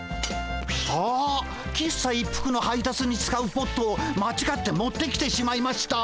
ああ喫茶一服の配達に使うポットを間違って持ってきてしまいました。